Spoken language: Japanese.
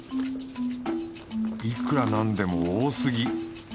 いくらなんでも多すぎ。